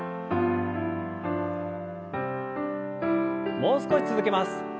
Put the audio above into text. もう少し続けます。